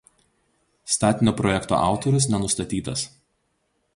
Statinio projekto autorius nenustatytas.